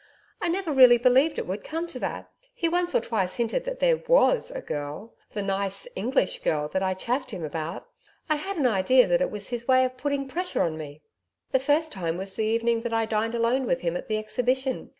I never really believed it would come to that. He once or twice hinted that there WAS a girl the "nice English girl" that I had chaffed him about. I had an idea that it was his way of putting pressure on me. The first time was the evening that I dined alone with him at the Exhibition.